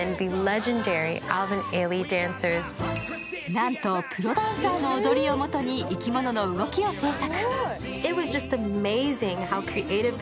なんと、プロダンサーの踊りをもとに生き物の動きを制作。